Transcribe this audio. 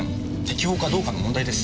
適法かどうかの問題です。